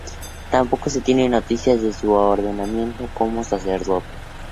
Tampoco se tienen noticias de su ordenamiento como sacerdote.